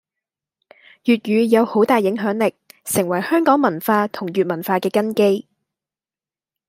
粵語有好大影響力，成為香港文化同粵文化嘅根基